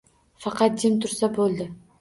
Faqat jim turmasa bo`ldi